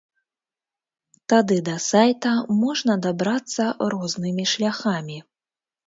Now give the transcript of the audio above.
Тады да сайта можна дабрацца рознымі шляхамі.